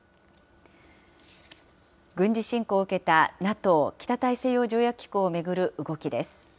軍事侵攻を受けたＮＡＴＯ・北大西洋条約機構を巡る動きです。